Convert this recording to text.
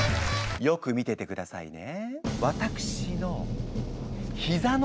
よく見ててくださいね。